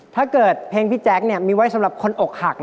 ถ้าเกิดเพลงพี่แจ๊คมีไว้สำหรับคนอกหัก